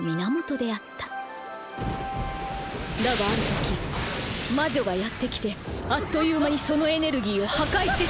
だがある時魔女がやって来てあっという間にそのエネルギーを破壊してしまったのだ。